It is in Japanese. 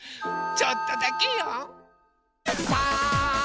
ちょっとだけよ！